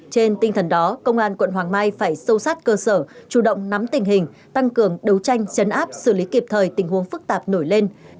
trên tinh thần đó công an quận hoàng mai phải sâu sát cơ sở chủ động nắm tình hình tăng cường đấu tranh chấn áp xử lý kịp thời tình huống phức tạp nổi lên